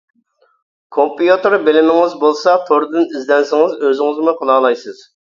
كومپيۇتېر بىلىمىڭىز بولسا توردىن ئىزدەنسىڭىز ئۆزىڭىزمۇ قىلالايسىز.